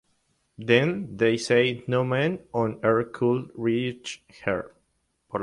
Then they said no man on earth could reach her.